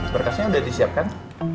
berkasnya udah disiapkan